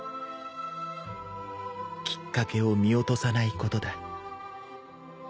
きっかけを見落とさないことだ。